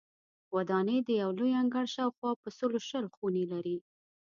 ودانۍ د یو لوی انګړ شاوخوا په سلو شل خونې لري.